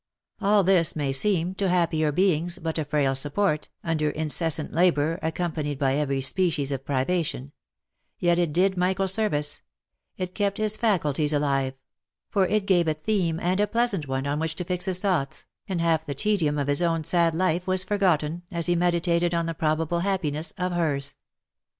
All this may seem, to happier beings, but a frail support, under in cessant labour, accompanied by every species of privation, yet it did Michael service — it kept his faculties alive ; for it gave a theme, and a pleasant one, on which to fix his thoughts, and half the the tedium of his own sad life was forgotten, as he meditated on the probable happi ness of hers.